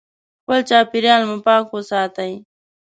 خپل چاپیریال مو پاک وساتئ.